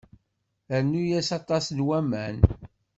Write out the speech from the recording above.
Rnu-yas aṭas n waman.